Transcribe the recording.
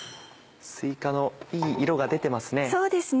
すいかのいい色が出てますね。